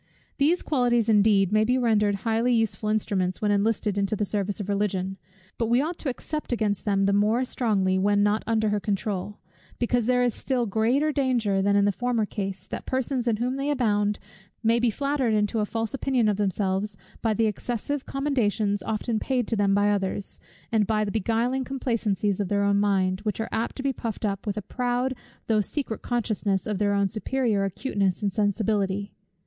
These qualities indeed may be rendered highly useful instruments, when enlisted into the service of Religion. But we ought to except against them the more strongly, when not under her controul; because there is still greater danger than in the former case, that persons in whom they abound, may be flattered into a false opinion of themselves by the excessive commendations often paid to them by others, and by the beguiling complacencies of their own minds, which are apt to be puffed up with a proud though secret consciousness of their own superior acuteness and sensibility.